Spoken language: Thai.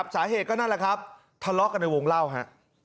สาเหตุก็นั่นแหละครับทะเลาะกันในวงเล่าฮะ